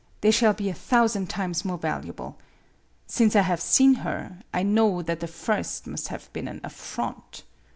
They shall be a thousand times more valuable. Since I have seen her I know that the first must have been an affront."